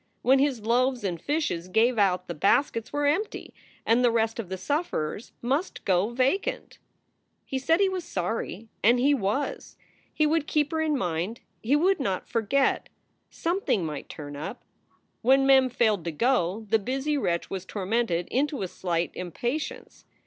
When his loaves and fishes gave out the baskets were empty, and the rest of the sufferers must go vacant. He said he was sorry; and he was. He would keep her in inind. He would not forget. Something might turn up. When Mem failed to go, the busy wretch was tormented into a slight impatience.